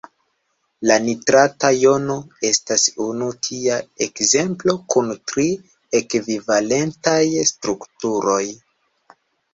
La nitrata jono estas unu tia ekzemplo kun tri ekvivalentaj strukturoj.